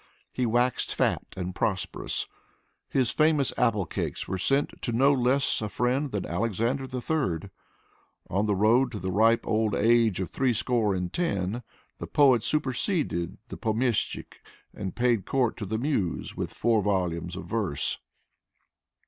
He waxed fat and prosperous. His famous apple cakes were sent to no less a friend than Alexander III. On the road to the ripe old age of three score and ten, the poet superseded the pomeshchik and paid court to the Muse with four volumes of verse.